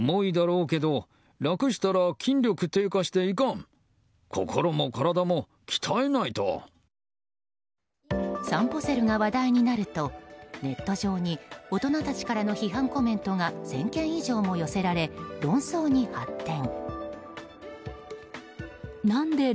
さんぽセルが話題になるとネット上に大人たちからの批判コメントが１０００件以上も寄せられ論争に発展。